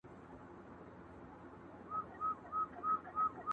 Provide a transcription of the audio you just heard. چي به شپه ورباندي تېره ورځ به شپه سوه،